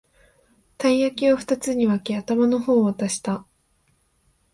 たい焼きをふたつに分け、頭の方を渡した